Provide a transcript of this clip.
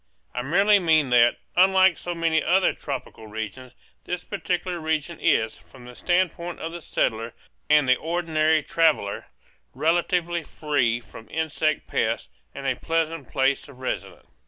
I merely mean that, unlike so many other tropical regions, this particular region is, from the standpoint of the settler and the ordinary traveller, relatively free from insect pests, and a pleasant place of residence.